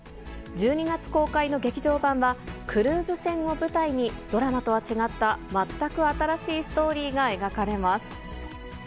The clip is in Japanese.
１２月公開の劇場版は、クルーズ船を舞台に、ドラマとは違った全く新しいストーリーが描かれます。